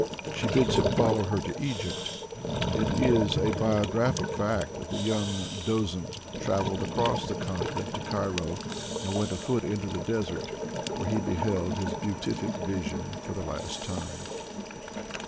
She bids him follow her to Egypt It is a bio graphic fact that the young Dozent traveled across the con tinent to Cairo, and went afoot into the desert, where he beheld his beatific vision for the last time.